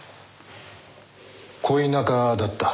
恋仲だった？